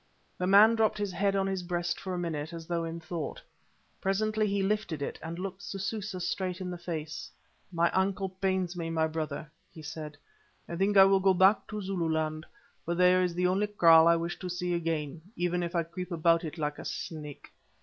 The man dropped his head on his breast for a minute as though in thought. Presently he lifted it and looked Sususa straight in the face. "My ankle pains me, my brother," he said; "I think I will go back to Zululand, for there is the only kraal I wish to see again, even if I creep about it like a snake."